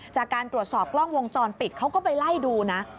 จากการตรวจสอบกล้องวงจรปิดเขาก็ไปไล่ดูนะ